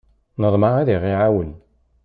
Neḍmeɛ ad aɣ-iɛawen.